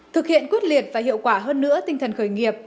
thực hiện quyết liệt và hiệu quả hơn nữa tinh thần khởi nghiệp